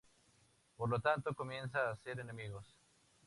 Por lo tanto comenzó a hacer enemigos.